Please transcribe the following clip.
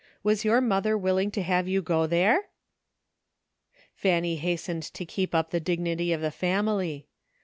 Was your mother willing to have you go there ?" Fanuy hastened to keep up the dignity of the family.